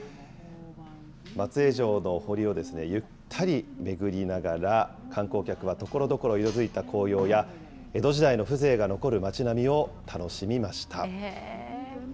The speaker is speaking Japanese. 松江城のお堀をゆったり巡りながら、観光客は、ところどころ色づいた紅葉や、江戸時代の風情が残る街並みを楽しみました。